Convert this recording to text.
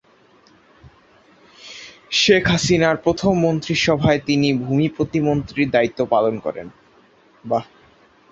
শেখ হাসিনার প্রথম মন্ত্রিসভায় তিনি ভূমি প্রতিমন্ত্রীর দায়িত্ব পালন করেন।